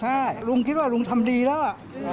ใช่ลุงคิดว่าลุงทำดีแล้ว